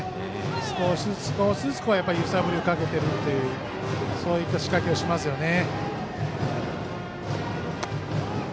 少しずつ揺さぶりをかけていくというそういった仕掛けをしますよね。